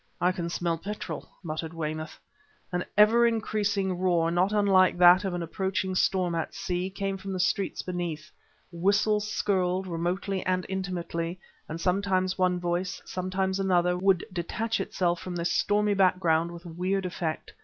"I can smell petrol!" muttered Weymouth. An ever increasing roar, not unlike that of an approaching storm at sea, came from the streets beneath. Whistles skirled, remotely and intimately, and sometimes one voice, sometimes another, would detach itself from this stormy background with weird effect.